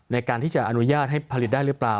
ในการที่จะอนุญาตให้ผลิตได้หรือเปล่า